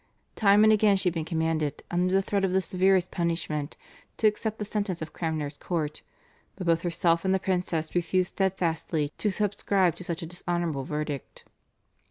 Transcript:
Time and again she had been commanded under threat of the severest punishment to accept the sentence of Cranmer's court, but both herself and the Princess refused steadfastly to subscribe to such a dishonourable verdict.